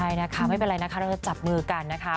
ใช่นะคะไม่เป็นไรนะคะเราจะจับมือกันนะคะ